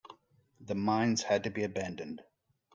The mines had to be abandoned.